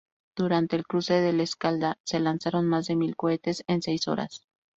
Durante el cruce del Escalda, se lanzaron más de mil cohetes en seis horas.